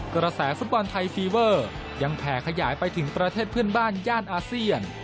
กระแสฟุตบอลไทยฟีเวอร์ยังแผ่ขยายไปถึงประเทศเพื่อนบ้านย่านอาเซียน